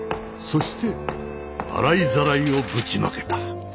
そして洗いざらいをぶちまけた。